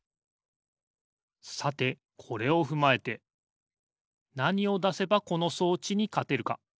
さてこれをふまえてなにをだせばこの装置にかてるか。